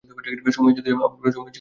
সময় এসে গেছে, আমার পরিবার।